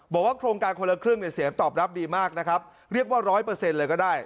บอกว่าโครงการคนละครึ่งเนี่ยเสียงตอบรับดีมากนะครับเรียกว่าร้อยเปอร์เซ็นต์เลยก็ได้